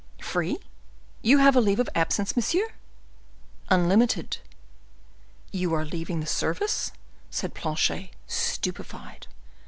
"Free? You have a leave of absence, monsieur?" "Unlimited." "You are leaving the service?" said Planchet, stupefied.